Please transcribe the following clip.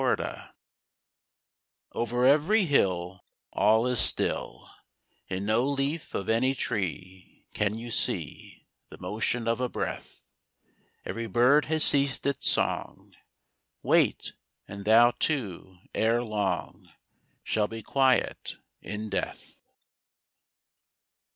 I Over every hill All is still ; In no leaf of any tree Can you see The motion of a breath. Every bird has ceased its song, Wait ; and thou too, ere long, Shall be quiet in death.